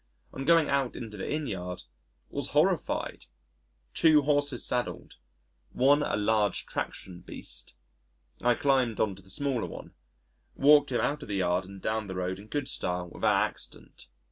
On going out into the Inn yard, was horrified two horses saddled one a large traction beast.... I climbed on to the smaller one, walked him out of the yard and down the road in good style without accident.